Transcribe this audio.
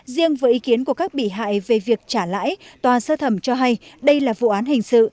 riêng với ý kiến của các bị hại về việc trả lãi tòa sơ thẩm cho hay đây là vụ án hình sự